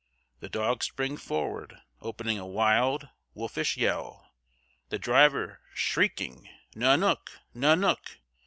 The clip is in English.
The dogs spring forward, opening a wild, wolfish yell, the driver shrieking 'Nannook! Nannook!'